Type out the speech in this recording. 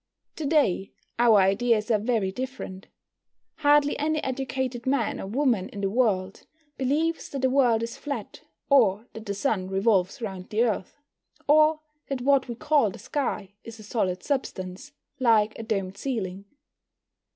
To day our ideas are very different. Hardly any educated man or woman in the world believes that the world is flat, or that the Sun revolves round the Earth, or that what we call the sky is a solid substance, like a domed ceiling.